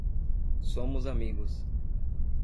Somos amigos